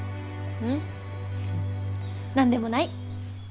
ううん何でもない。